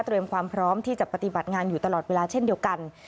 ความพร้อมที่จะปฏิบัติงานอยู่ตลอดเวลาเช่นเดียวกัน